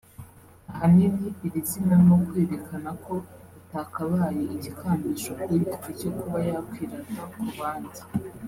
Ahanini iri zina ni ukwerekana ko itakabaye igikangisho k’uyifite cyo kuba yakwirata ku bandi